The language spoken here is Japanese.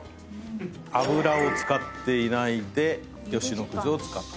油を使っていないで吉野葛を使っていると。